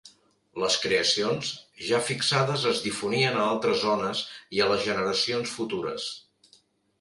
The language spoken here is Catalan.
Les creacions, ja fixades es difonien a altres zones i a les generacions futures.